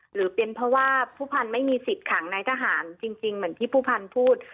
หรือเป็นเพราะว่าผู้พันธุ์ไม่มีสิทธิ์ขังในทหารจริงเหมือนที่ผู้พันธ์พูด